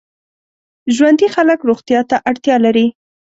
ژوندي خلک روغتیا ته اړتیا لري